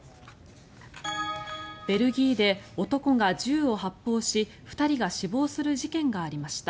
ベルギーで男が銃を発砲し２人が死亡する事件がありました。